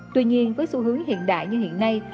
tuy nhiên với xu hướng hiện đại như hiện nay